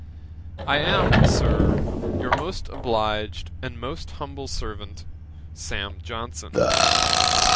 'I am, Sir, 'Your most obliged 'And most humble servant, 'SAM. JOHNSON.'